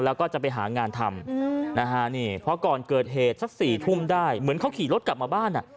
แล้วก็จะไปหางานทำนะฮะนี่เพราะก่อนเกิดเหตุสัก๔ทุ่มได้เหมือนเขาขี่รถกลับมาบ้านอ่ะ